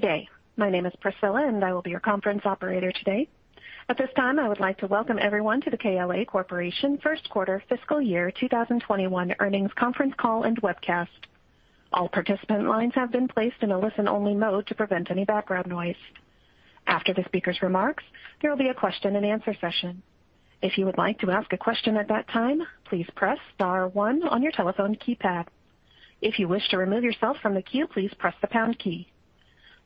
Today. My name is Priscilla, and I will be your conference operator today. At this time, I would like to welcome everyone to the KLA Corporation first quarter fiscal year 2021 earnings conference call and webcast. All participant lines have been placed in a listen-only mode to prevent any background noise. After the speaker's remarks, there will be a question-and-answer session. If you would like to ask a question at that time, please press star one on your telephone keypad. If you wish to remove yourself from the queue, please press the pound key.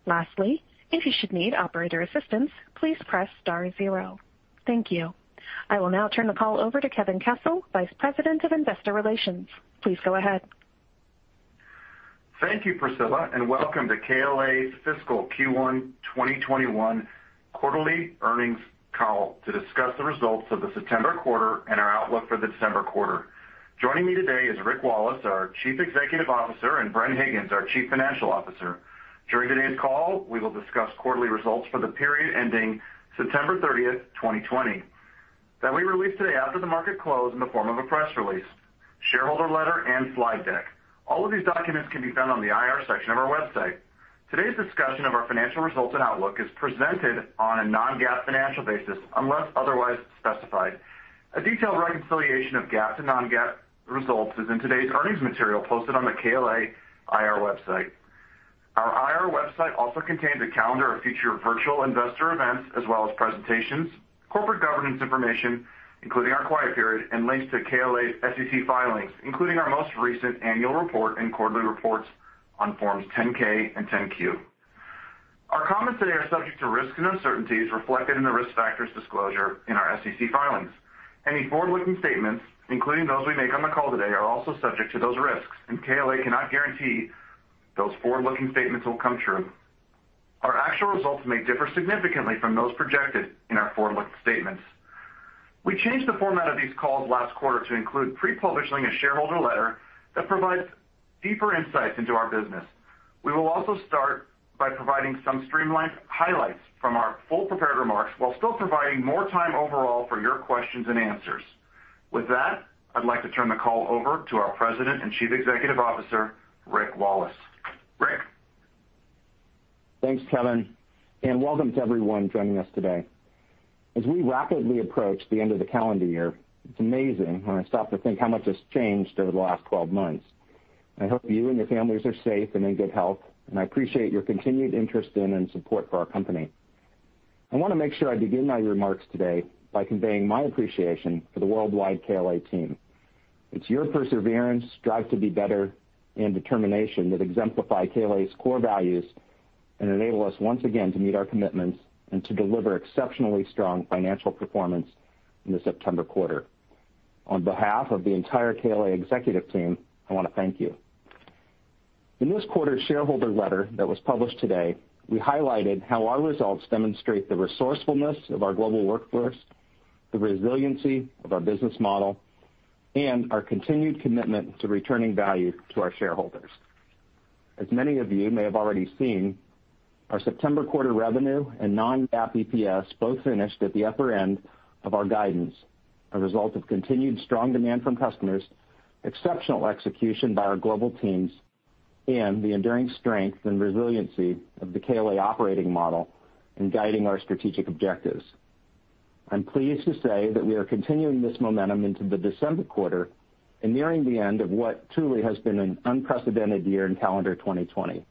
Lastly, if you should need operator assistance, please press star zero. Thank you. I will now turn the call over to Kevin Kessel, Vice President of Investor Relations. Please go ahead. Thank you, Priscilla, and welcome to KLA's fiscal Q1 2021 quarterly earnings call to discuss the results of the September quarter and our outlook for the December quarter. Joining me today is Rick Wallace, our Chief Executive Officer, and Bren Higgins, our Chief Financial Officer. During today's call, we will discuss quarterly results for the period ending September 30th, 2020, that we released today after the market close in the form of a press release, shareholder letter and slide deck. All of these documents can be found on the IR section of our website. Today's discussion of our financial results and outlook is presented on a non-GAAP financial basis unless otherwise specified. A detailed reconciliation of GAAP to non-GAAP results is in today's earnings material posted on the KLA IR website. Our IR website also contains a calendar of future virtual investor events, as well as presentations, corporate governance information, including our quiet period, and links to KLA's SEC filings, including our most recent annual report and quarterly reports on forms 10-K and 10-Q. Our comments today are subject to risks and uncertainties reflected in the risk factors disclosure in our SEC filings. Any forward-looking statements, including those we make on the call today, are also subject to those risks, and KLA cannot guarantee those forward-looking statements will come true. Our actual results may differ significantly from those projected in our forward-looking statements. We changed the format of these calls last quarter to include pre-publishing a shareholder letter that provides deeper insights into our business. We will also start by providing some streamlined highlights from our full prepared remarks, while still providing more time overall for your questions and answers. With that, I'd like to turn the call over to our President and Chief Executive Officer, Rick Wallace. Rick. Thanks, Kevin, and welcome to everyone joining us today. As we rapidly approach the end of the calendar year, it's amazing when I stop to think how much has changed over the last 12 months. I hope you and your families are safe and in good health, and I appreciate your continued interest in and support for our company. I want to make sure I begin my remarks today by conveying my appreciation for the worldwide KLA team. It's your perseverance, drive to be better, and determination that exemplify KLA's core values and enable us once again to meet our commitments and to deliver exceptionally strong financial performance in the September quarter. On behalf of the entire KLA executive team, I want to thank you. In this quarter's shareholder letter that was published today, we highlighted how our results demonstrate the resourcefulness of our global workforce, the resiliency of our business model, and our continued commitment to returning value to our shareholders. As many of you may have already seen, our September quarter revenue and non-GAAP EPS both finished at the upper end of our guidance, a result of continued strong demand from customers, exceptional execution by our global teams, and the enduring strength and resiliency of the KLA operating model in guiding our strategic objectives. I'm pleased to say that we are continuing this momentum into the December quarter and nearing the end of what truly has been an unprecedented year in calendar 2020.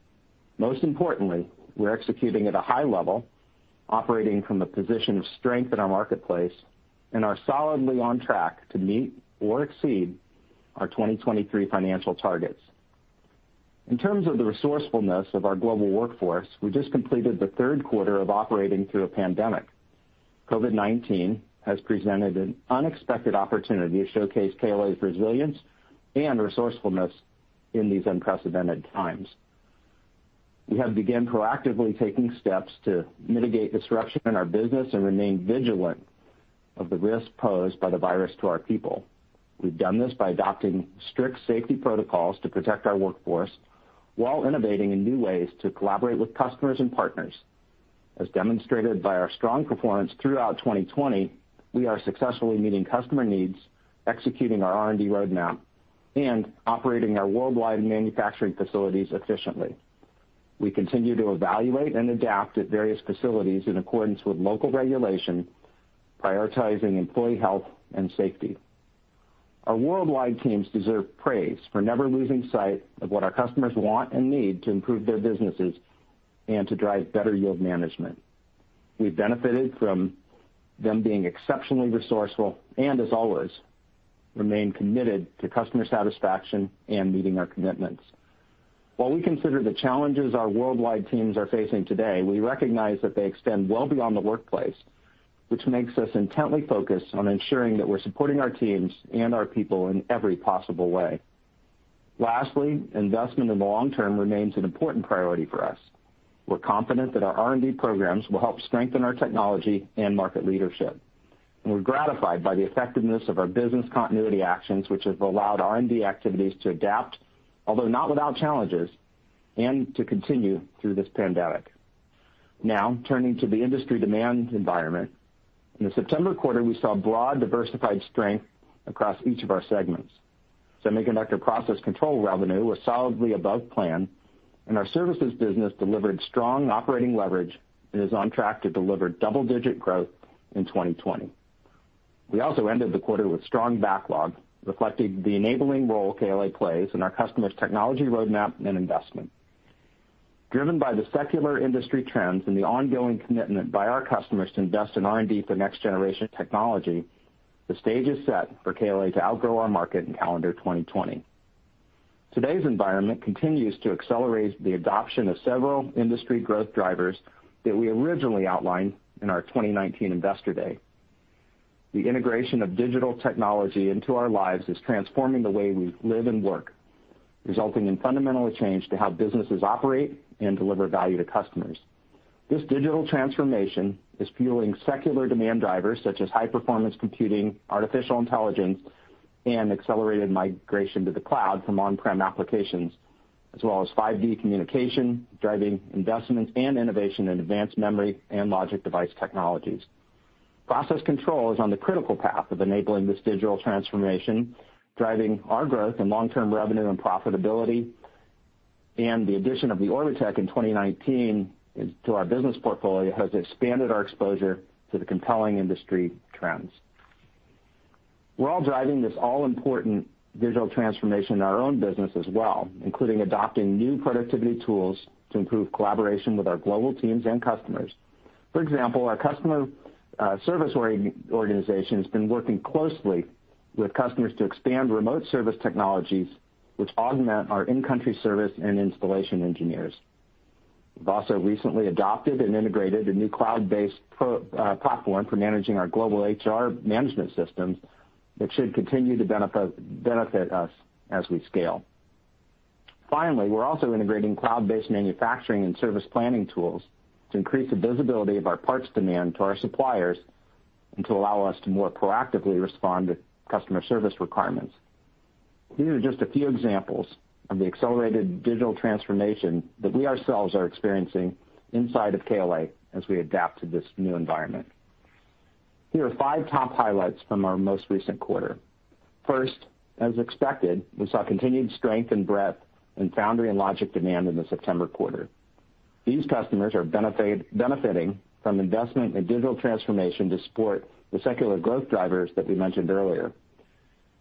Most importantly, we're executing at a high level, operating from a position of strength in our marketplace, and are solidly on track to meet or exceed our 2023 financial targets. In terms of the resourcefulness of our global workforce, we just completed the third quarter of operating through a pandemic. COVID-19 has presented an unexpected opportunity to showcase KLA's resilience and resourcefulness in these unprecedented times. We have began proactively taking steps to mitigate disruption in our business and remain vigilant of the risks posed by the virus to our people. We've done this by adopting strict safety protocols to protect our workforce while innovating in new ways to collaborate with customers and partners. As demonstrated by our strong performance throughout 2020, we are successfully meeting customer needs, executing our R&D roadmap, and operating our worldwide manufacturing facilities efficiently. We continue to evaluate and adapt at various facilities in accordance with local regulation, prioritizing employee health and safety. Our worldwide teams deserve praise for never losing sight of what our customers want and need to improve their businesses and to drive better yield management. We've benefited from them being exceptionally resourceful, and as always, remain committed to customer satisfaction and meeting our commitments. While we consider the challenges our worldwide teams are facing today, we recognize that they extend well beyond the workplace, which makes us intently focused on ensuring that we're supporting our teams and our people in every possible way. Lastly, investment in the long term remains an important priority for us. We're confident that our R&D programs will help strengthen our technology and market leadership, and we're gratified by the effectiveness of our business continuity actions, which have allowed R&D activities to adapt, although not without challenges, and to continue through this pandemic. Now turning to the industry demand environment. In the September quarter, we saw broad diversified strength across each of our segments. Semiconductor process control revenue was solidly above plan, and our services business delivered strong operating leverage and is on track to deliver double-digit growth in 2020. We also ended the quarter with strong backlog, reflecting the enabling role KLA plays in our customers' technology roadmap and investment. Driven by the secular industry trends and the ongoing commitment by our customers to invest in R&D for next-generation technology, the stage is set for KLA to outgrow our market in calendar 2020. Today's environment continues to accelerate the adoption of several industry growth drivers that we originally outlined in our 2019 Investor Day. The integration of digital technology into our lives is transforming the way we live and work, resulting in fundamental change to how businesses operate and deliver value to customers. This digital transformation is fueling secular demand drivers such as high-performance computing, artificial intelligence, and accelerated migration to the cloud from on-prem applications, as well as 5G communication, driving investments and innovation in advanced memory and logic device technologies. Process control is on the critical path of enabling this digital transformation, driving our growth in long-term revenue and profitability, and the addition of the Orbotech in 2019 into our business portfolio has expanded our exposure to the compelling industry trends. We're all driving this all-important digital transformation in our own business as well, including adopting new productivity tools to improve collaboration with our global teams and customers. For example, our customer service organization has been working closely with customers to expand remote service technologies, which augment our in-country service and installation engineers. We've also recently adopted and integrated a new cloud-based platform for managing our global HR management systems that should continue to benefit us as we scale. Finally, we're also integrating cloud-based manufacturing and service planning tools to increase the visibility of our parts demand to our suppliers and to allow us to more proactively respond to customer service requirements. These are just a few examples of the accelerated digital transformation that we ourselves are experiencing inside of KLA as we adapt to this new environment. Here are five top highlights from our most recent quarter. First, as expected, we saw continued strength and breadth in foundry and logic demand in the September quarter. These customers are benefiting from investment in digital transformation to support the secular growth drivers that we mentioned earlier.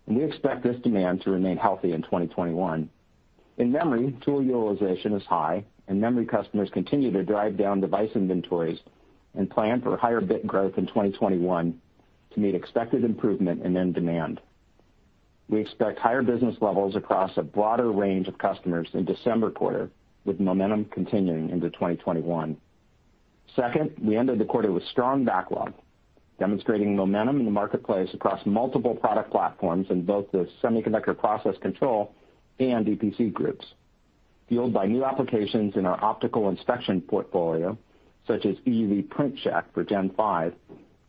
We expect this demand to remain healthy in 2021. In memory, tool utilization is high, and memory customers continue to drive down device inventories and plan for higher bit growth in 2021 to meet expected improvement in end demand. Second, we ended the quarter with strong backlog, demonstrating momentum in the marketplace across multiple product platforms in both the semiconductor process control and EPC groups, fueled by new applications in our optical inspection portfolio, such as EUV Print Check for Gen5,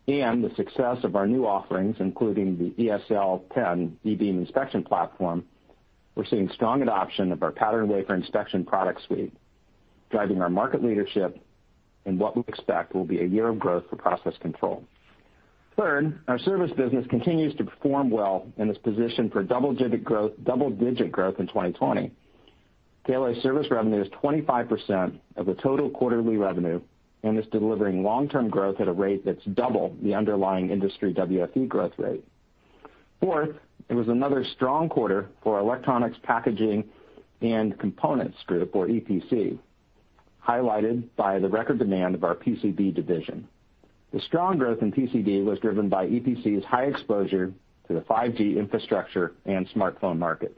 and the success of our new offerings, including the eSL10 e-beam inspection platform. We're seeing strong adoption of our patterned wafer inspection product suite, driving our market leadership in what we expect will be a year of growth for process control. Third, our service business continues to perform well and is positioned for double-digit growth in 2020. KLA service revenue is 25% of the total quarterly revenue and is delivering long-term growth at a rate that's double the underlying industry WFE growth rate. Fourth, it was another strong quarter for our Electronics, Packaging and Components group, or EPC, highlighted by the record demand of our PCB division. The strong growth in PCB was driven by EPC's high exposure to the 5G infrastructure and smartphone market.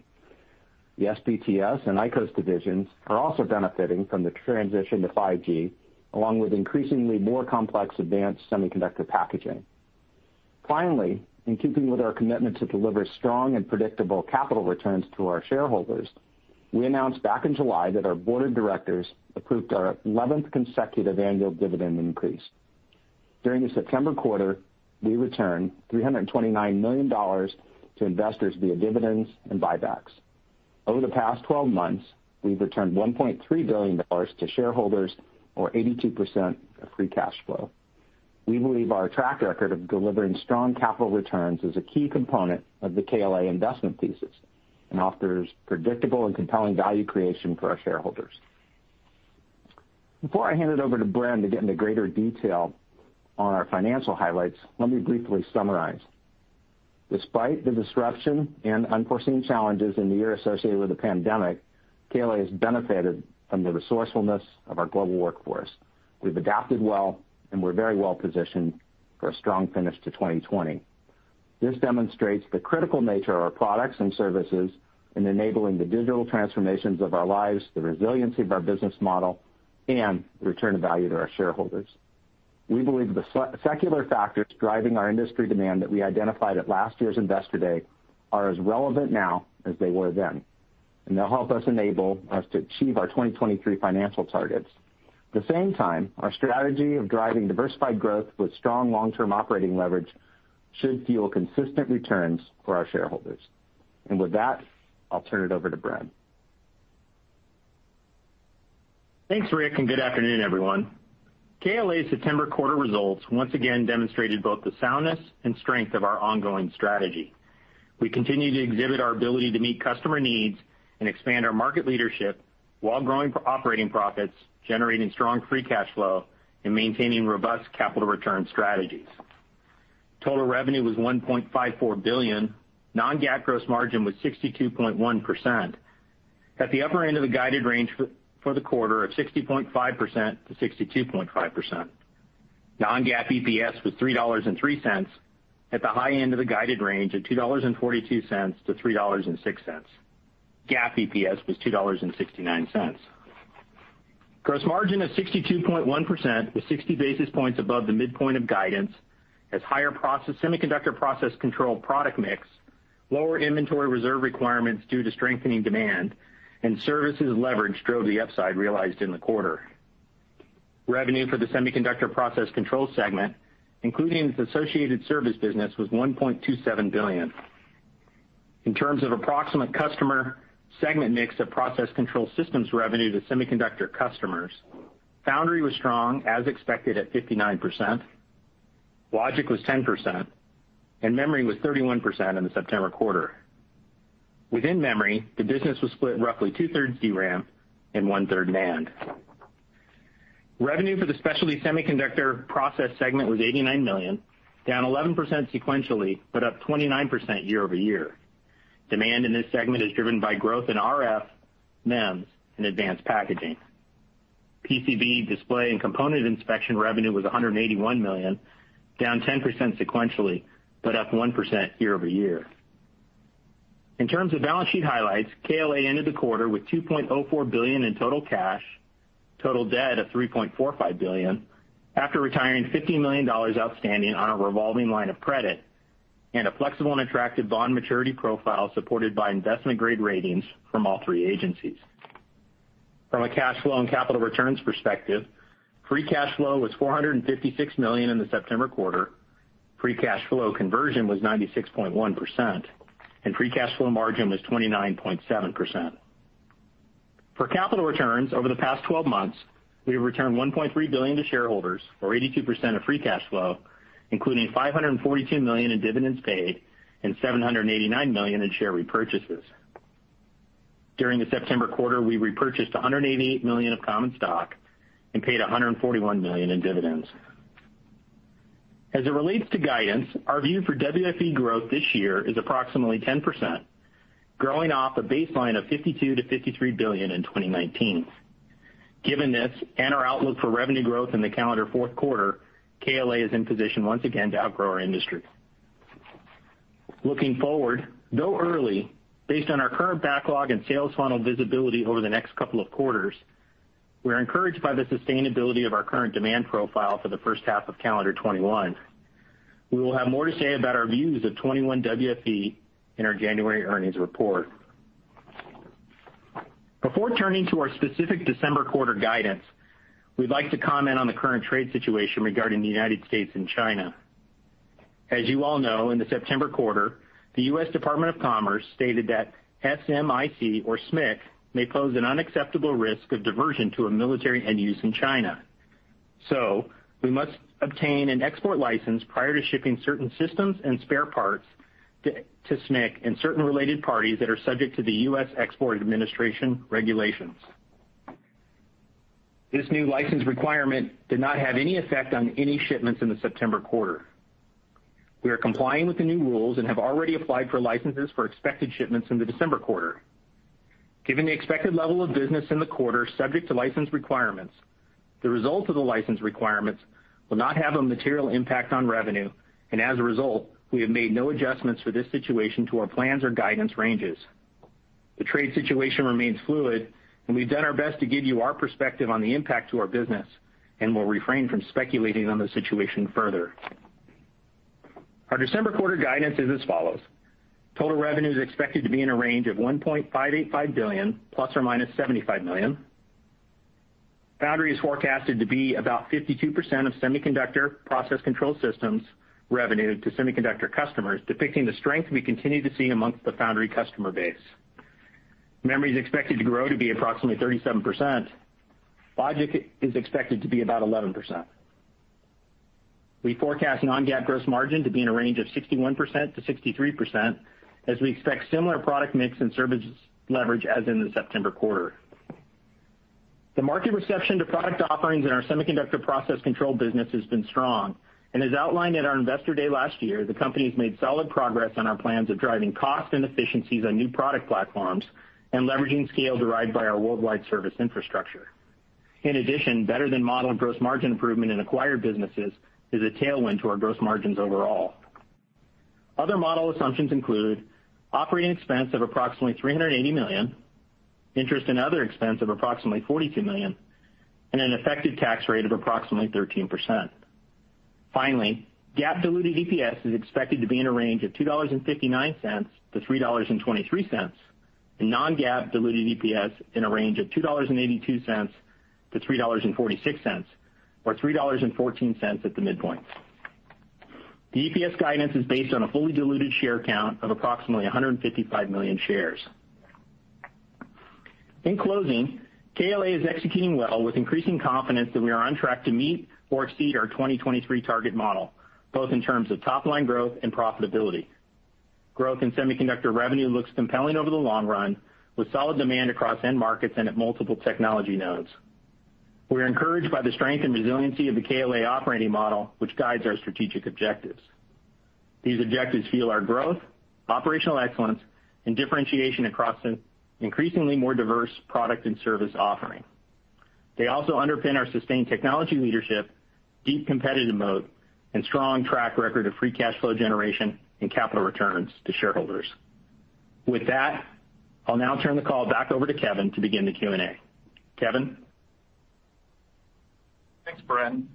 The SPTS and ICOS divisions are also benefiting from the transition to 5G, along with increasingly more complex advanced semiconductor packaging. Finally, in keeping with our commitment to deliver strong and predictable capital returns to our shareholders, we announced back in July that our board of directors approved our 11th consecutive annual dividend increase. During the September quarter, we returned $329 million to investors via dividends and buybacks. Over the past 12 months, we've returned $1.3 billion to shareholders or 82% of free cash flow. We believe our track record of delivering strong capital returns is a key component of the KLA investment thesis and offers predictable and compelling value creation for our shareholders. Before I hand it over to Bren to get into greater detail on our financial highlights, let me briefly summarize. Despite the disruption and unforeseen challenges in the year associated with the pandemic, KLA has benefited from the resourcefulness of our global workforce. We've adapted well, and we're very well positioned for a strong finish to 2020. This demonstrates the critical nature of our products and services in enabling the digital transformations of our lives, the resiliency of our business model, and the return of value to our shareholders. We believe the secular factors driving our industry demand that we identified at last year's Investor Day are as relevant now as they were then, and they'll help us enable us to achieve our 2023 financial targets. At the same time, our strategy of driving diversified growth with strong long-term operating leverage should fuel consistent returns for our shareholders. With that, I'll turn it over to Bren. Thanks, Rick, and good afternoon, everyone. KLA's September quarter results once again demonstrated both the soundness and strength of our ongoing strategy. We continue to exhibit our ability to meet customer needs and expand our market leadership while growing operating profits, generating strong free cash flow, and maintaining robust capital return strategies. Total revenue was $1.54 billion. Non-GAAP gross margin was 62.1%, at the upper end of the guided range for the quarter of 60.5%-62.5%. Non-GAAP EPS was $3.03, at the high end of the guided range of $2.42-$3.06. GAAP EPS was $2.69. Gross margin of 62.1% was 60 basis points above the midpoint of guidance, as higher semiconductor process control product mix, lower inventory reserve requirements due to strengthening demand, and services leverage drove the upside realized in the quarter. Revenue for the semiconductor process control segment, including its associated service business, was $1.27 billion. In terms of approximate customer segment mix of process control systems revenue to semiconductor customers, foundry was strong, as expected, at 59%, logic was 10%, and memory was 31% in the September quarter. Within memory, the business was split roughly 2/3 DRAM and 1/3 NAND. Revenue for the specialty semiconductor process segment was $89 million, down 11% sequentially, but up 29% year-over-year. Demand in this segment is driven by growth in RF, MEMS, and advanced packaging. PCB display and component inspection revenue was $181 million, down 10% sequentially, but up 1% year-over-year. In terms of balance sheet highlights, KLA ended the quarter with $2.04 billion in total cash, total debt of $3.45 billion, after retiring $50 million outstanding on a revolving line of credit, and a flexible and attractive bond maturity profile supported by investment-grade ratings from all three agencies. From a cash flow and capital returns perspective, free cash flow was $456 million in the September quarter, free cash flow conversion was 96.1%, and free cash flow margin was 29.7%. For capital returns over the past 12 months, we have returned $1.3 billion to shareholders or 82% of free cash flow, including $542 million in dividends paid and $789 million in share repurchases. During the September quarter, we repurchased $188 million of common stock and paid $141 million in dividends. As it relates to guidance, our view for WFE growth this year is approximately 10%, growing off a baseline of $52 billion-$53 billion in 2019. Given this and our outlook for revenue growth in the calendar fourth quarter, KLA is in position once again to outgrow our industry. Looking forward, though early, based on our current backlog and sales funnel visibility over the next couple of quarters, we're encouraged by the sustainability of our current demand profile for the first half of calendar 2021. We will have more to say about our views of 2021 WFE in our January earnings report. Before turning to our specific December quarter guidance, we'd like to comment on the current trade situation regarding the U.S. and China. As you all know, in the September quarter, the U.S. Department of Commerce stated that SMIC, or SMIC, may pose an unacceptable risk of diversion to a military end use in China. We must obtain an export license prior to shipping certain systems and spare parts to SMIC and certain related parties that are subject to the U.S. Export Administration Regulations. This new license requirement did not have any effect on any shipments in the September quarter. We are complying with the new rules and have already applied for licenses for expected shipments in the December quarter. Given the expected level of business in the quarter subject to license requirements, the result of the license requirements will not have a material impact on revenue, and as a result, we have made no adjustments for this situation to our plans or guidance ranges. The trade situation remains fluid, and we've done our best to give you our perspective on the impact to our business and will refrain from speculating on the situation further. Our December quarter guidance is as follows. Total revenue is expected to be in a range of $1.585 billion ±$75 million. Foundry is forecasted to be about 52% of semiconductor process control systems revenue to semiconductor customers, depicting the strength we continue to see amongst the foundry customer base. Memory is expected to grow to be approximately 37%. Logic is expected to be about 11%. We forecast non-GAAP gross margin to be in a range of 61%-63%, as we expect similar product mix and services leverage as in the September quarter. The market reception to product offerings in our semiconductor process control business has been strong, and as outlined at our Investor Day last year, the company's made solid progress on our plans of driving cost and efficiencies on new product platforms and leveraging scale derived by our worldwide service infrastructure. In addition, better-than-modeled gross margin improvement in acquired businesses is a tailwind to our gross margins overall. Other model assumptions include operating expense of approximately $380 million, interest and other expense of approximately $42 million, and an effective tax rate of approximately 13%. Finally, GAAP diluted EPS is expected to be in a range of $2.59-$3.23, and non-GAAP diluted EPS in a range of $2.82-$3.46, or $3.14 at the midpoint. The EPS guidance is based on a fully diluted share count of approximately 155 million shares. In closing, KLA is executing well with increasing confidence that we are on track to meet or exceed our 2023 target model, both in terms of top-line growth and profitability. Growth in semiconductor revenue looks compelling over the long run, with solid demand across end markets and at multiple technology nodes. We're encouraged by the strength and resiliency of the KLA operating model, which guides our strategic objectives. These objectives fuel our growth, operational excellence, and differentiation across an increasingly more diverse product and service offering. They also underpin our sustained technology leadership, deep competitive moat, and strong track record of free cash flow generation and capital returns to shareholders. With that, I'll now turn the call back over to Kevin to begin the Q&A. Kevin? Thanks, Bren.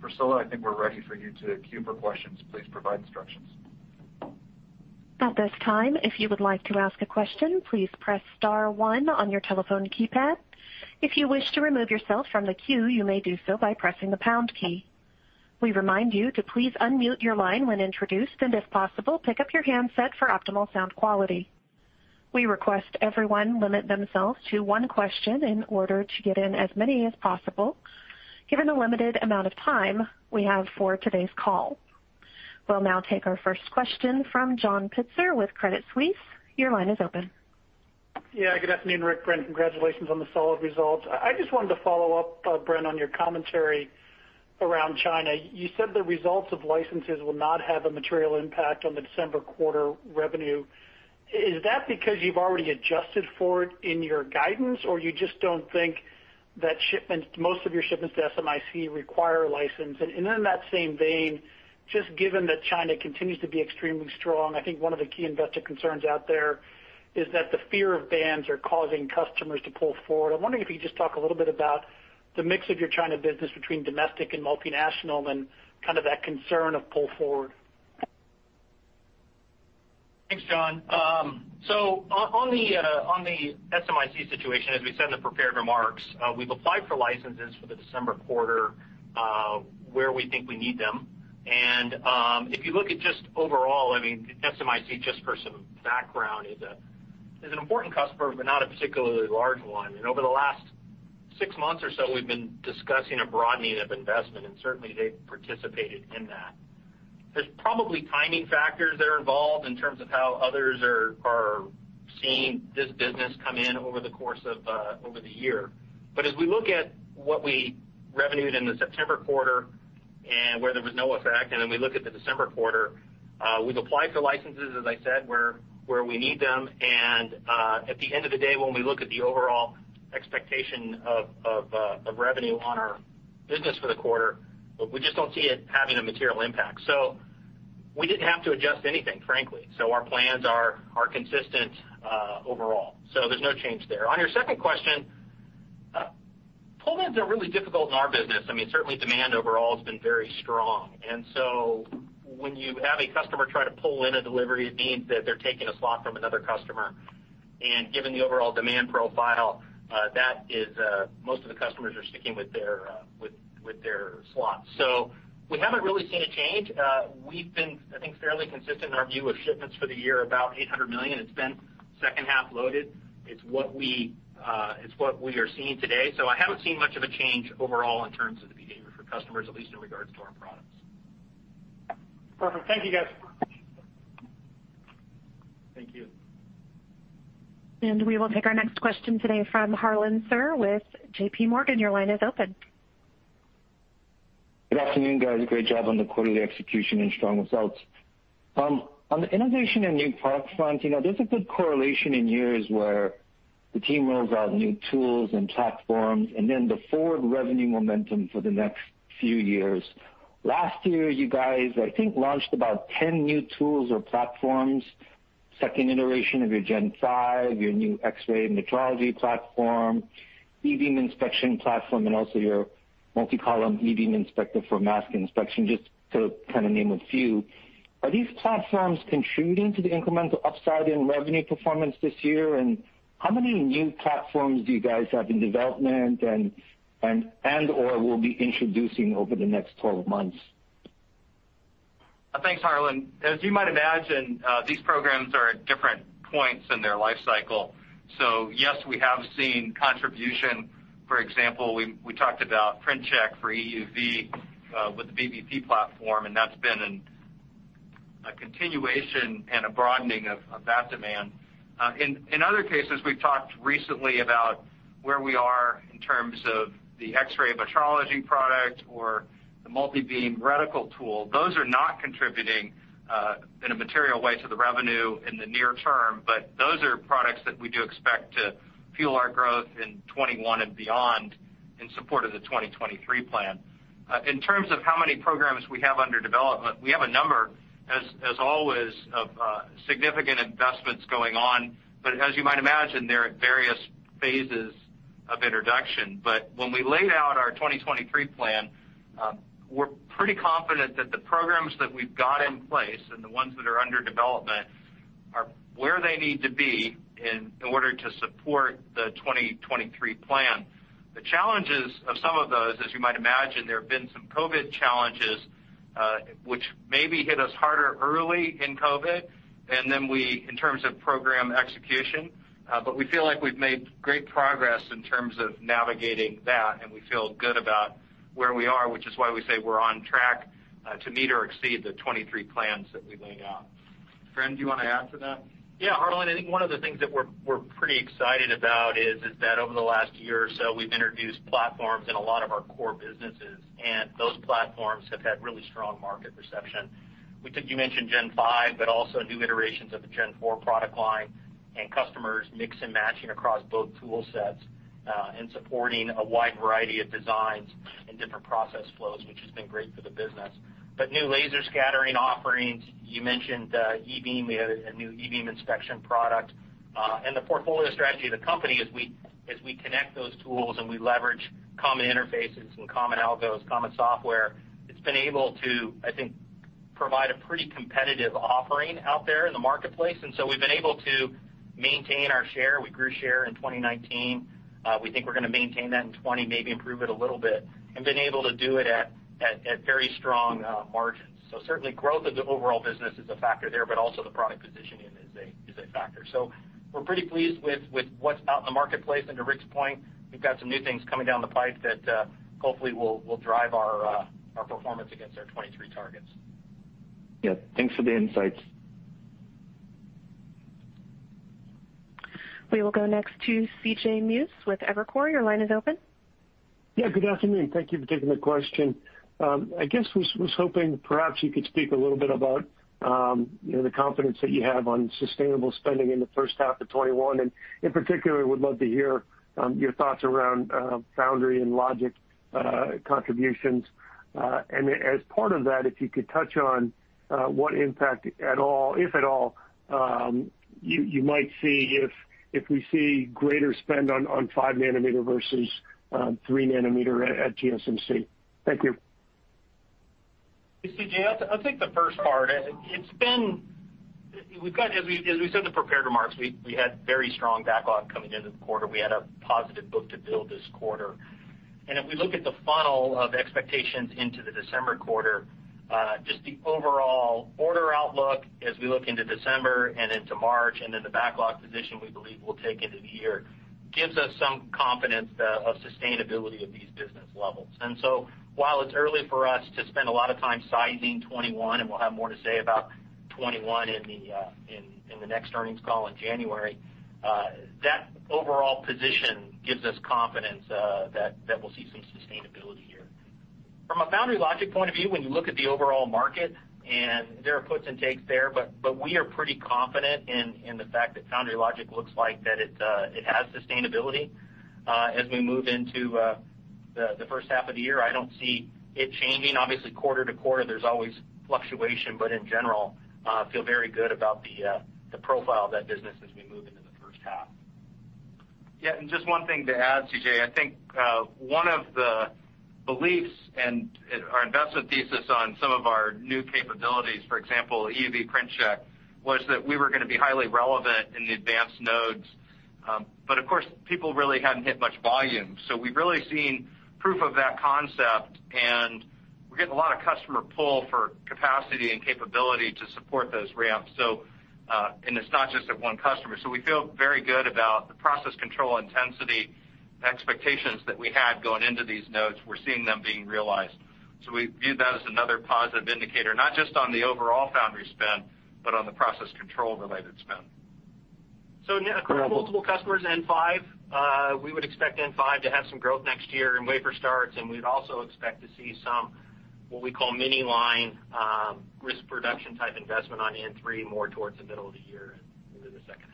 Priscilla, I think we're ready for you to queue for questions. Please provide instructions. At this time, if you would like to ask a question, please press star one on your telephone keypad. If you wish to remove yourself from the queue, you may do so by pressing the pound key. We remind you to please unmute your line when introduced, and if possible, pick up your handset for optimal sound quality. We request everyone limit themselves to one question in order to get in as many as possible, given the limited amount of time we have for today's call. We'll now take our first question from John Pitzer with Credit Suisse. Your line is open. Yeah, good afternoon, Rick, Bren. Congratulations on the solid results. I just wanted to follow up, Bren, on your commentary around China. You said the results of licenses will not have a material impact on the December quarter revenue. Is that because you've already adjusted for it in your guidance, or you just don't think that most of your shipments to SMIC require a license? Then in that same vein, just given that China continues to be extremely strong, I think one of the key investor concerns out there is that the fear of bans are causing customers to pull forward. I'm wondering if you could just talk a little bit about the mix of your China business between domestic and multinational and kind of that concern of pull forward. Thanks, John. On the SMIC situation, as we said in the prepared remarks, we've applied for licenses for the December quarter, where we think we need them, and if you look at just overall, SMIC, just for some background, is an important customer, but not a particularly large one. Over the last six months or so, we've been discussing a broadening of investment, and certainly they've participated in that. There's probably timing factors that are involved in terms of how others are seeing this business come in over the course of the year. As we look at what we revenued in the September quarter, where there was no effect, and then we look at the December quarter, we've applied for licenses, as I said, where we need them. At the end of the day, when we look at the overall expectation of revenue on our business for the quarter, we just don't see it having a material impact. We didn't have to adjust anything, frankly. Our plans are consistent overall. There's no change there. On your second question, pull ins are really difficult in our business. Certainly demand overall has been very strong. When you have a customer try to pull in a delivery, it means that they're taking a slot from another customer. Given the overall demand profile, most of the customers are sticking with their slots. We haven't really seen a change. We've been, I think, fairly consistent in our view of shipments for the year, about $800 million. It's been second-half loaded. It's what we are seeing today. I haven't seen much of a change overall in terms of the behavior for customers, at least in regards to our products. Perfect. Thank you, guys. Thank you. We will take our next question today from Harlan Sur with JPMorgan. Your line is open. Good afternoon, guys. Great job on the quarterly execution and strong results. On the innovation and new product front, there's a good correlation in years where the team rolls out new tools and platforms, and then the forward revenue momentum for the next few years. Last year, you guys, I think, launched about 10 new tools or platforms, second iteration of your Gen5, your new X-ray metrology platform, e-beam inspection platform, and also your multi-column e-beam inspector for mask inspection, just to kind of name a few. Are these platforms contributing to the incremental upside in revenue performance this year? How many new platforms do you guys have in development and/or will be introducing over the next 12 months? Thanks, Harlan. As you might imagine, these programs are at different points in their life cycle. Yes, we have seen contribution. For example, we talked about Print Check for EUV with the BBP platform, and that's been a continuation and a broadening of that demand. In other cases, we've talked recently about where we are in terms of the X-ray metrology product or the multi-beam reticle tool. Those are not contributing in a material way to the revenue in the near term, but those are products that we do expect to fuel our growth in 2021 and beyond in support of the 2023 Plan. In terms of how many programs we have under development, we have a number, as always, of significant investments going on. As you might imagine, they're at various phases of introduction. When we laid out our 2023 plan, we're pretty confident that the programs that we've got in place and the ones that are under development Where they need to be in order to support the 2023 plan. The challenges of some of those, as you might imagine, there have been some COVID-19 challenges, which maybe hit us harder early in COVID-19, and then we, in terms of program execution, but we feel like we've made great progress in terms of navigating that, and we feel good about where we are, which is why we say we're on track to meet or exceed the 2023 plans that we laid out. Bren, do you want to add to that? Harlan, I think one of the things that we're pretty excited about is that over the last year or so, we've introduced platforms in a lot of our core businesses, and those platforms have had really strong market reception. We think you mentioned Gen5, but also new iterations of the Gen4 product line, and customers mix and matching across both tool sets, and supporting a wide variety of designs and different process flows, which has been great for the business. New laser scattering offerings, you mentioned e-beam, we have a new e-beam inspection product. The portfolio strategy of the company is we connect those tools, and we leverage common interfaces and common algos, common software. It's been able to, I think, provide a pretty competitive offering out there in the marketplace, and so we've been able to maintain our share. We grew share in 2019. We think we're going to maintain that in 2020, maybe improve it a little bit, and been able to do it at very strong margins. Certainly growth of the overall business is a factor there, but also the product positioning is a factor. We're pretty pleased with what's out in the marketplace, and to Rick's point, we've got some new things coming down the pipe that hopefully will drive our performance against our 2023 targets. Yeah. Thanks for the insights. We will go next to CJ Muse with Evercore. Your line is open. Yeah, good afternoon. Thank you for taking the question. I guess, was hoping perhaps you could speak a little bit about the confidence that you have on sustainable spending in the first half of 2021, and in particular, would love to hear your thoughts around foundry and logic contributions. As part of that, if you could touch on what impact at all, if at all, you might see if we see greater spend on 5 nm versus 3 nm at TSMC. Thank you. Hey, CJ. I think the first part, as we said in the prepared remarks, we had very strong backlog coming into the quarter. We had a positive book to build this quarter. If we look at the funnel of expectations into the December quarter, just the overall order outlook as we look into December and into March, then the backlog position we believe we'll take into the year, gives us some confidence of sustainability of these business levels. While it's early for us to spend a lot of time sizing 2021, and we'll have more to say about 2021 in the next earnings call in January, that overall position gives us confidence that we'll see some sustainability here. From a foundry logic point of view, when you look at the overall market, and there are puts and takes there, but we are pretty confident in the fact that foundry logic looks like that it has sustainability. As we move into the first half of the year, I don't see it changing. Obviously, quarter-over-quarter, there's always fluctuation, but in general, feel very good about the profile of that business as we move into the first half. Yeah, just one thing to add, CJ, I think one of the beliefs and our investment thesis on some of our new capabilities, for example, EUV Print Check, was that we were going to be highly relevant in the advanced nodes. Of course, people really hadn't hit much volume, so we've really seen proof of that concept, and we're getting a lot of customer pull for capacity and capability to support those ramps. It's not just at one customer. We feel very good about the process control intensity expectations that we had going into these nodes. We're seeing them being realized. We view that as another positive indicator, not just on the overall foundry spend, but on the process control-related spend. Across multiple customers, N5, we would expect N5 to have some growth next year in wafer starts, and we'd also expect to see some what we call mini-line risk production type investment on N3 more towards the middle of the year and into the second half.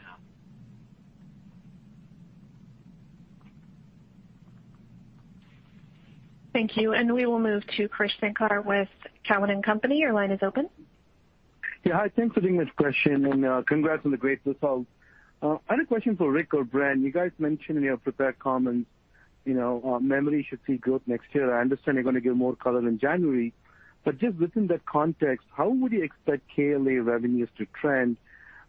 Thank you. We will move to Krish Sankar with Cowen and Company. Your line is open. Hi, thanks for taking this question, and congrats on the great results. I had a question for Rick or Bren. You guys mentioned in your prepared comments, memory should see growth next year. I understand you're going to give more color in January, just within that context, how would you expect KLA revenues to trend?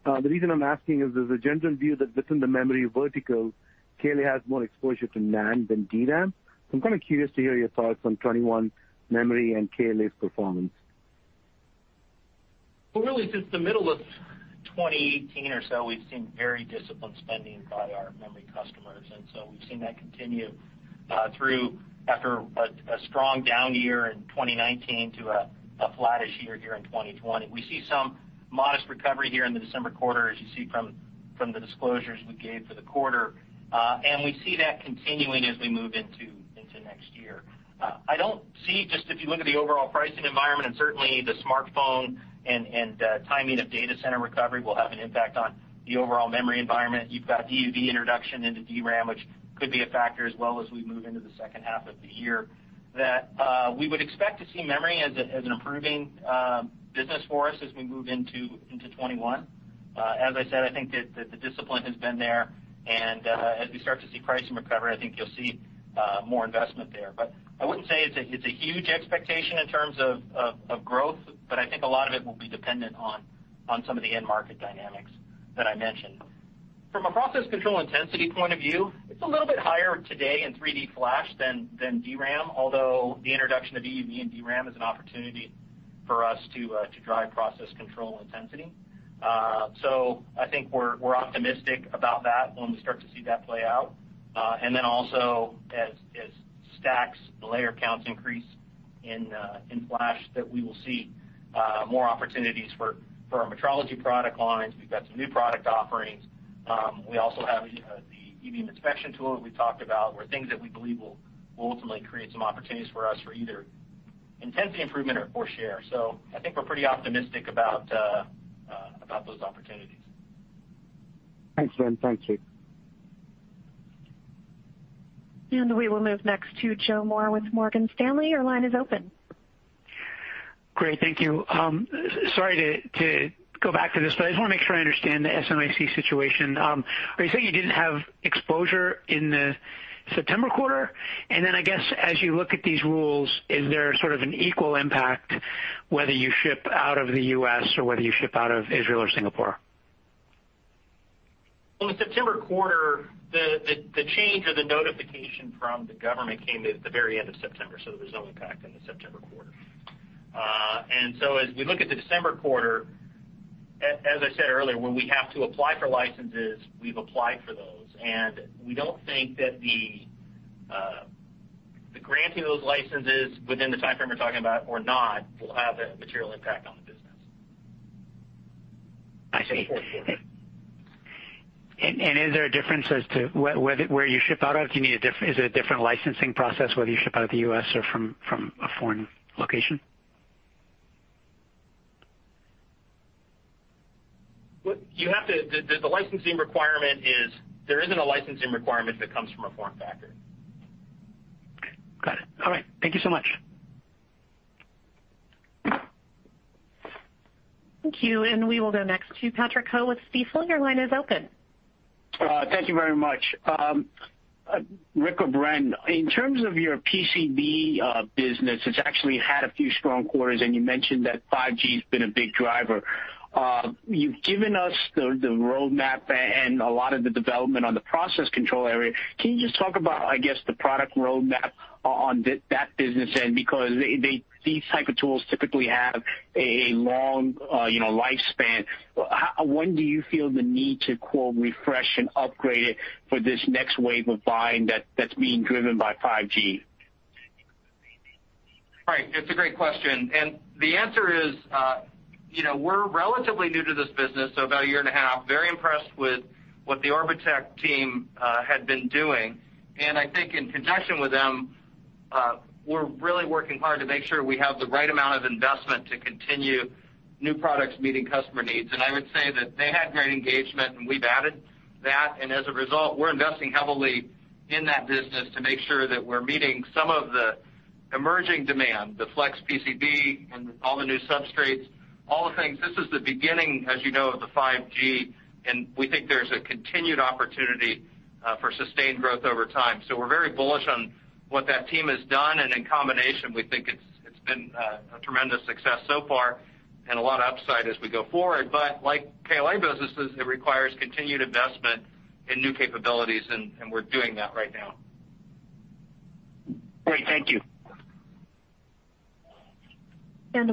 The reason I'm asking is there's a general view that within the memory vertical, KLA has more exposure to NAND than DRAM. I'm kind of curious to hear your thoughts on 2021 memory and KLA's performance. Well, really since the middle of 2018 or so, we've seen very disciplined spending by our memory customers, and so we've seen that continue through after a strong down year in 2019 to a flattish year here in 2020. We see some modest recovery here in the December quarter, as you see from the disclosures we gave for the quarter, and we see that continuing as we move into next year. I don't see, just if you look at the overall pricing environment, and certainly the smartphone and timing of data center recovery will have an impact on the overall memory environment. You've got EUV introduction into DRAM, which could be a factor as well as we move into the second half of the year, that we would expect to see memory as an improving business for us as we move into 2021. As I said, I think that the discipline has been there, and as we start to see pricing recover, I think you'll see more investment there. I wouldn't say it's a huge expectation in terms of growth, but I think a lot of it will be dependent on some of the end market dynamics that I mentioned. From a process control intensity point of view, it's a little bit higher today in 3D flash than DRAM, although the introduction of EUV in DRAM is an opportunity for us to drive process control intensity. I think we're optimistic about that when we start to see that play out. Also, as stacks, the layer counts increase in flash, that we will see more opportunities for our metrology product lines. We've got some new product offerings. We also have the EUV inspection tool that we talked about, where things that we believe will ultimately create some opportunities for us for either intensity improvement or for share. I think we're pretty optimistic about those opportunities. Thanks, Bren. Thanks, Rick. We will move next to Joe Moore with Morgan Stanley. Your line is open. Great. Thank you. Sorry to go back to this, I just want to make sure I understand the SMIC situation. Are you saying you didn't have exposure in the September quarter? I guess as you look at these rules, is there sort of an equal impact whether you ship out of the U.S. or whether you ship out of Israel or Singapore? Well, the September quarter, the change or the notification from the government came at the very end of September, so there was no impact in the September quarter. As we look at the December quarter, as I said earlier, where we have to apply for licenses, we've applied for those, and we don't think that the granting of those licenses within the timeframe you're talking about or not will have a material impact on the business. I see. Is there a difference as to where you ship out of? Is it a different licensing process whether you ship out of the U.S. or from a foreign location? The licensing requirement is, there isn't a licensing requirement that comes from a foreign factory. Got it. All right. Thank you so much. Thank you. We will go next to Patrick Ho with Stifel. Your line is open. Thank you very much. Rick or Bren, in terms of your PCB business, it's actually had a few strong quarters, and you mentioned that 5G's been a big driver. You've given us the roadmap and a lot of the development on the process control area. Can you just talk about, I guess, the product roadmap on that business end? Because these type of tools typically have a long lifespan. When do you feel the need to quote, "refresh and upgrade it" for this next wave of buying that's being driven by 5G? Right. It's a great question, and the answer is, we're relatively new to this business, so about a year and a half. Very impressed with what the Orbotech team had been doing, and I think in conjunction with them, we're really working hard to make sure we have the right amount of investment to continue new products meeting customer needs. I would say that they had great engagement, and we've added that, and as a result, we're investing heavily in that business to make sure that we're meeting some of the emerging demand, the flex PCB, and all the new substrates, all the things. This is the beginning, as you know, of the 5G, and we think there's a continued opportunity for sustained growth over time. We're very bullish on what that team has done, and in combination, we think it's been a tremendous success so far and a lot of upside as we go forward. Like KLA businesses, it requires continued investment in new capabilities, and we're doing that right now. Great. Thank you.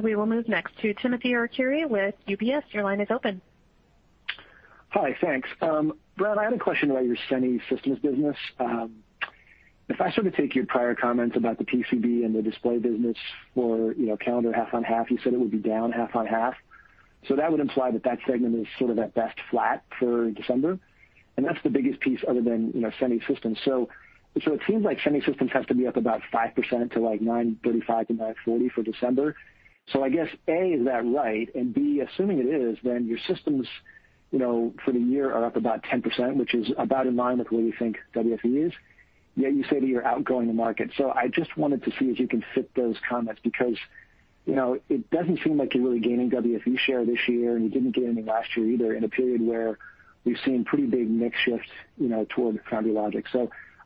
We will move next to Timothy Arcuri with UBS. Your line is open. Hi. Thanks. Bren, I had a question about your Semi Systems business. If I sort of take your prior comments about the PCB and the display business for calendar half-on-half, you said it would be down half-on-half. That would imply that segment is sort of at best flat for December, and that's the biggest piece other than Semi Systems. It seems like Semi Systems has to be up about 5% to like $935-$940 for December. I guess, A, is that right? B, assuming it is, your systems for the year are up about 10%, which is about in line with where you think WFE is, yet you say that you're outgrowing the market. I just wanted to see if you can fit those comments, because it doesn't seem like you're really gaining WFE share this year, and you didn't gain any last year either in a period where we've seen pretty big mix shift toward foundry and logic.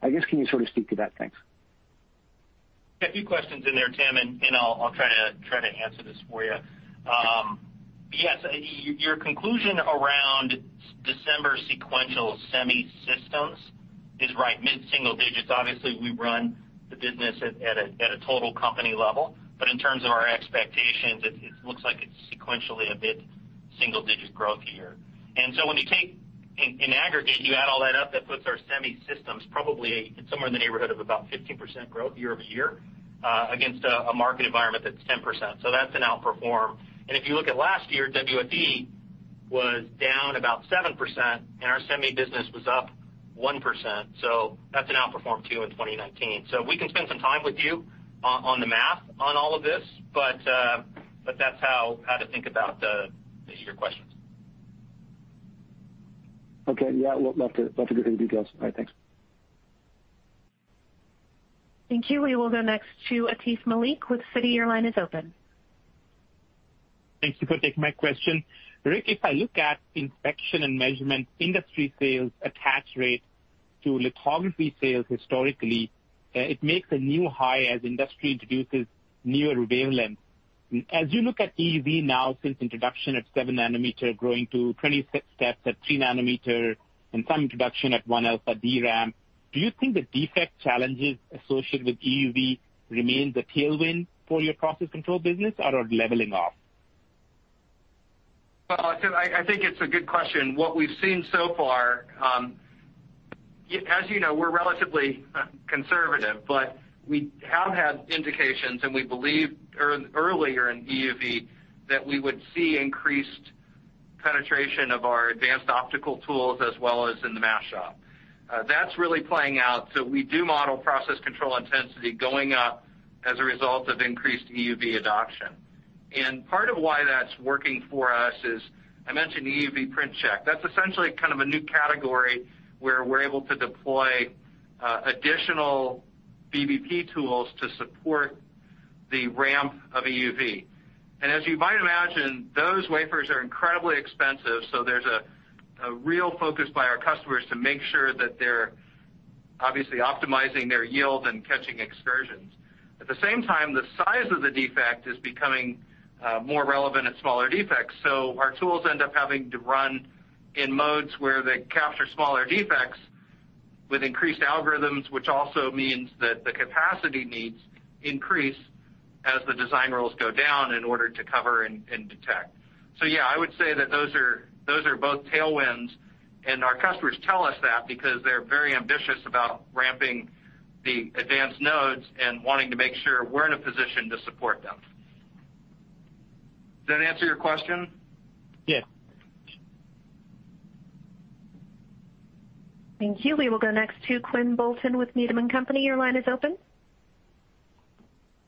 I guess, can you sort of speak to that? Thanks. A few questions in there, Tim, and I'll try to answer this for you. Yes, your conclusion around December sequential Semi Systems is right, mid-single digits. Obviously, we run the business at a total company level. In terms of our expectations, it looks like it's sequentially a mid-single-digit growth year. When you take in aggregate, you add all that up, that puts our Semi Systems probably somewhere in the neighborhood of about 15% growth year-over-year against a market environment that's 10%. That's an outperform. If you look at last year, WFE was down about 7%, and our semi business was up 1%. That's an outperform, too, in 2019. We can spend some time with you on the math on all of this, but that's how to think about the your questions. Okay. Yeah. Love to get the details. All right. Thanks. Thank you. We will go next to Atif Malik with Citi. Your line is open. Thank you for taking my question. Rick, if I look at inspection and measurement industry sales attach rate to lithography sales historically, it makes a new high as industry introduces newer wavelengths. As you look at EUV now since introduction of 7 nm growing to 26 steps at 3 nm and some introduction at 1-alpha DRAM, do you think the defect challenges associated with EUV remain the tailwind for your process control business, or are leveling off? I think it's a good question. What we've seen so far, as you know, we're relatively conservative, but we have had indications, and we believed earlier in EUV that we would see increased penetration of our advanced optical tools as well as in the mask shop. That's really playing out. We do model process control intensity going up as a result of increased EUV adoption. Part of why that's working for us is, I mentioned EUV Print Check. That's essentially kind of a new category where we're able to deploy additional BBP tools to support the ramp of EUV. As you might imagine, those wafers are incredibly expensive, so there's a real focus by our customers to make sure that they're obviously optimizing their yield and catching excursions. At the same time, the size of the defect is becoming more relevant at smaller defects. Our tools end up having to run in modes where they capture smaller defects with increased algorithms, which also means that the capacity needs increase as the design rules go down in order to cover and detect. Yeah, I would say that those are both tailwinds, and our customers tell us that because they're very ambitious about ramping the advanced nodes and wanting to make sure we're in a position to support them. Does that answer your question? Yes. Thank you. We will go next to Quinn Bolton with Needham & Company. Your line is open.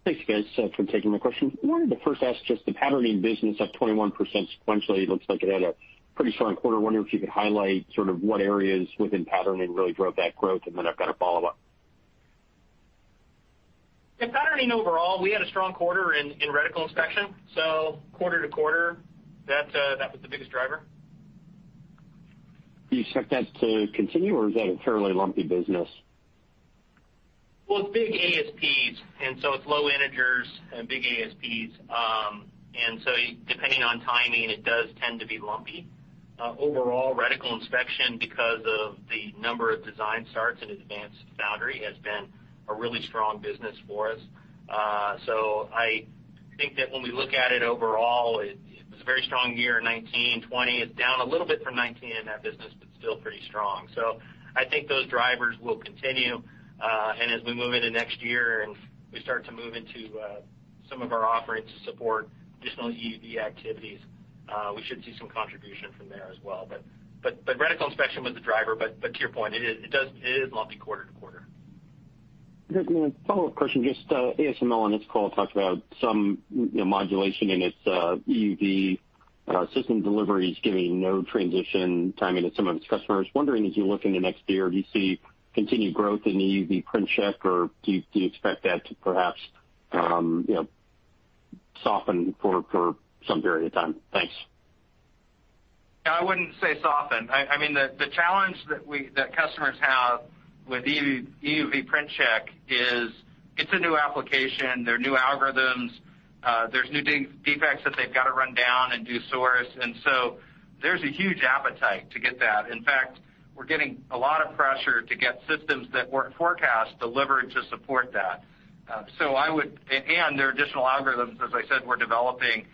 Thanks, guys, for taking my question. I wanted to first ask just the patterning business at 21% sequentially, it looks like it had a pretty strong quarter. Wondering if you could highlight sort of what areas within patterning really drove that growth. Then I've got a follow-up. In patterning overall, we had a strong quarter in reticle inspection, so quarter-to-quarter, that was the biggest driver. Do you expect that to continue, or is that a fairly lumpy business? Well, it's big ASPs, it's low integers and big ASPs. Depending on timing, it does tend to be lumpy. Overall, reticle inspection, because of the number of design starts in advanced foundry, has been a really strong business for us. I think that when we look at it overall, it was a very strong year in 2019, 2020. It's down a little bit from 2019 in that business, but still pretty strong. I think those drivers will continue. As we move into next year and we start to move into some of our offerings to support additional EUV activities, we should see some contribution from there as well. Reticle inspection was the driver. To your point, it is lumpy quarter-to-quarter. A follow-up question. ASML on its call talked about some modulation in its EUV system deliveries giving node transition timing to some of its customers. Wondering as you look into next year, do you see continued growth in EUV Print Check, or do you expect that to perhaps soften for some period of time? Thanks. I wouldn't say soften. The challenge that customers have with EUV Print Check is it's a new application. They're new algorithms. There's new defects that they've got to run down and do source. There's a huge appetite to get that. In fact, we're getting a lot of pressure to get systems that weren't forecast delivered to support that. There are additional algorithms, as I said, we're developing.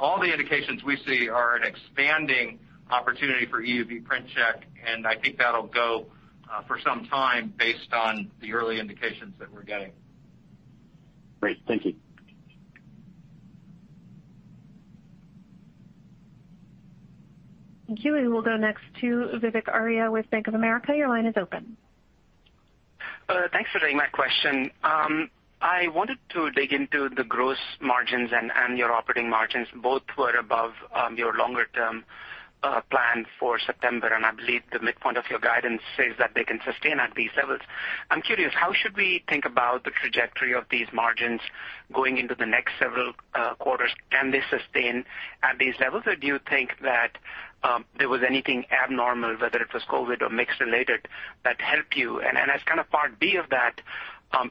All the indications we see are an expanding opportunity for EUV Print Check, and I think that'll go for some time based on the early indications that we're getting. Great. Thank you. Thank you. We will go next to Vivek Arya with Bank of America. Your line is open. Thanks for taking my question. I wanted to dig into the gross margins and your operating margins. Both were above your longer-term plan for September, and I believe the midpoint of your guidance says that they can sustain at these levels. I'm curious, how should we think about the trajectory of these margins going into the next several quarters? Can they sustain at these levels, or do you think that there was anything abnormal, whether it was COVID-19 or mix related, that helped you? As kind of part B of that,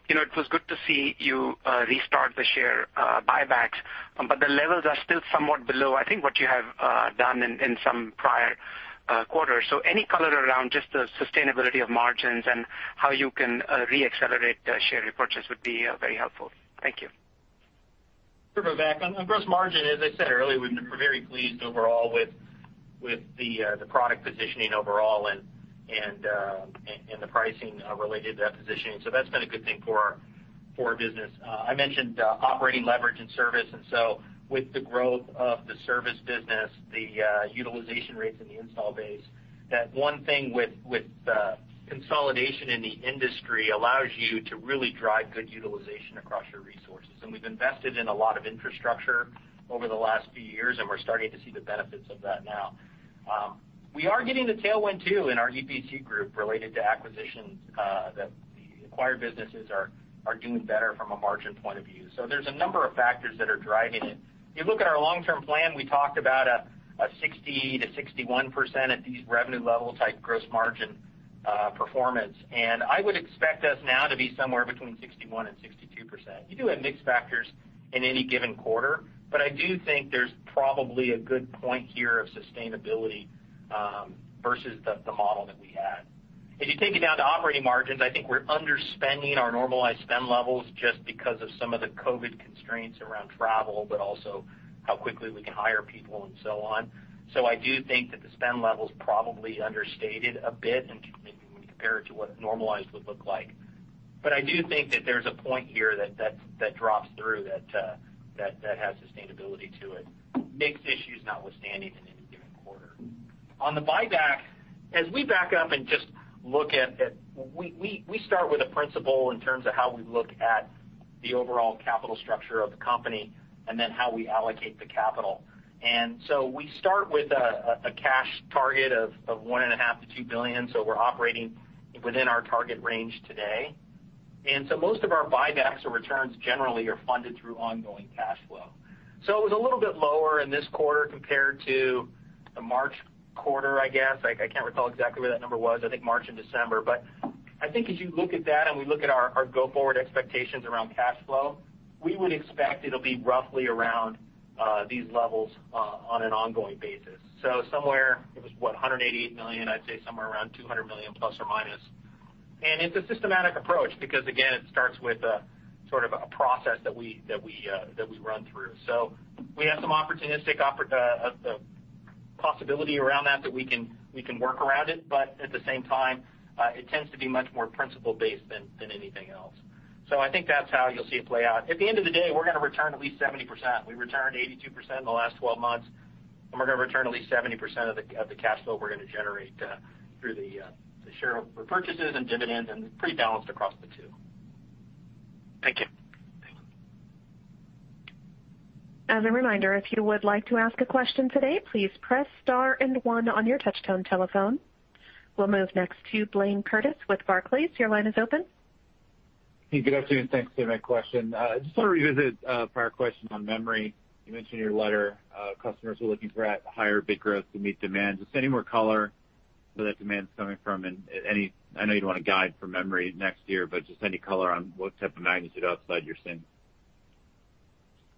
it was good to see you restart the share buybacks, but the levels are still somewhat below, I think, what you have done in some prior quarters. Any color around just the sustainability of margins and how you can re-accelerate share repurchase would be very helpful. Thank you. Sure, Vivek. On gross margin, as I said earlier, we're very pleased overall with the product positioning overall and the pricing related to that positioning. That's been a good thing for our business. I mentioned operating leverage in service, with the growth of the service business, the utilization rates in the install base, that one thing with consolidation in the industry allows you to really drive good utilization across your resources. We've invested in a lot of infrastructure over the last few years, and we're starting to see the benefits of that now. We are getting the tailwind, too, in our EPC group related to acquisitions that acquired businesses are doing better from a margin point of view. There's a number of factors that are driving it. If you look at our long-term plan, we talked about a 60%-61% at these revenue levels type gross margin performance. I would expect us now to be somewhere between 61% and 62%. You do have mix factors in any given quarter, but I do think there's probably a good point here of sustainability versus the model that we had. If you take it down to operating margins, I think we're underspending our normalized spend levels just because of some of the COVID-19 constraints around travel, but also how quickly we can hire people and so on. I do think that the spend level's probably understated a bit when you compare it to what normalized would look like. I do think that there's a point here that drops through, that has sustainability to it, mix issues notwithstanding in any given quarter. On the buyback, as we back up and just look at, we start with a principle in terms of how we look at the overall capital structure of the company, and then how we allocate the capital. We start with a cash target of $1.5 billion-$2 billion. We're operating within our target range today. Most of our buybacks or returns generally are funded through ongoing cash flow. It was a little bit lower in this quarter compared to the March quarter, I guess. I can't recall exactly where that number was, I think March and December. I think as you look at that and we look at our go-forward expectations around cash flow, we would expect it'll be roughly around these levels on an ongoing basis. Somewhere, it was what, $188 million, I'd say somewhere around ±$200 million. It's a systematic approach because, again, it starts with sort of a process that we run through. We have some opportunistic possibility around that we can work around it. At the same time, it tends to be much more principle-based than anything else. I think that's how you'll see it play out. At the end of the day, we're going to return at least 70%. We returned 82% in the last 12 months, and we're going to return at least 70% of the cash flow we're going to generate through the share repurchases and dividends, and it's pretty balanced across the two. Thank you. As a reminder, if you would like to ask a question today, please press star and one on your touchtone telephone. We'll move next to Blayne Curtis with Barclays. Your line is open. Hey, good afternoon. Thanks. I have a question. I just want to revisit a prior question on memory. You mentioned in your letter, customers were looking for at higher bit growth to meet demand. Just any more color where that demand's coming from and any, I know you don't want to guide for memory next year, but just any color on what type of magnitude upside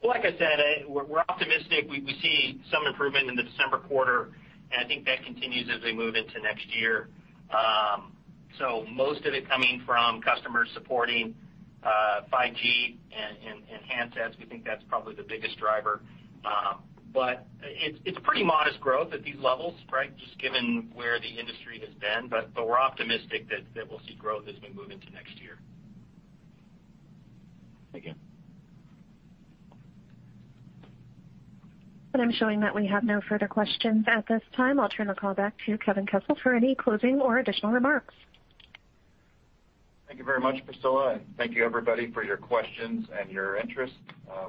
you're seeing? Like I said, we're optimistic. We see some improvement in the December quarter, and I think that continues as we move into next year. Most of it coming from customers supporting 5G and handsets. We think that's probably the biggest driver. It's a pretty modest growth at these levels, right? Just given where the industry has been. We're optimistic that we'll see growth as we move into next year. Thank you. I'm showing that we have no further questions at this time. I'll turn the call back to Kevin Kessel for any closing or additional remarks. Thank you very much, Priscilla. Thank you everybody for your questions and your interest.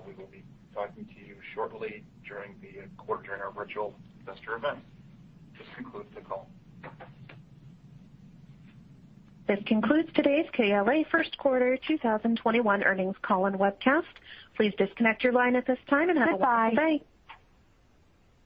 We will be talking to you shortly during the quarter in our virtual investor event. This concludes the call. This concludes today's KLA first quarter 2021 earnings call and webcast. Please disconnect your line at this time and have a wonderful day. Goodbye.